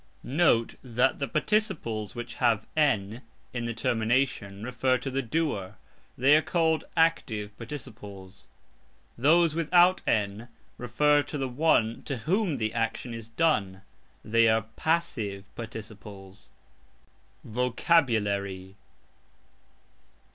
Note that the participles which have "n" in the termination refer to the "doer"; they are called "active" participles. Those without "n" refer to the one to whom the action is done; they are "passive" participles. VOCABULARY.